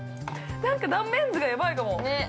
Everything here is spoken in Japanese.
断面図がやばいかも。